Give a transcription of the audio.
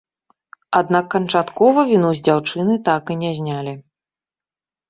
Аднак канчаткова віну з дзяўчыны так і не знялі.